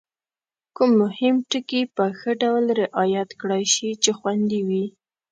کوم مهم ټکي په ښه ډول رعایت کړای شي چې خوندي وي؟